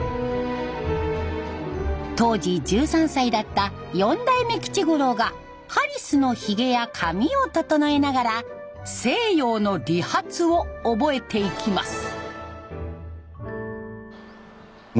当時１３歳だった４代目吉五郎がハリスのひげや髪を整えながら西洋の理髪を覚えていきます。